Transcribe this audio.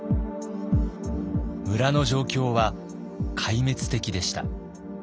村の状況は壊滅的でした。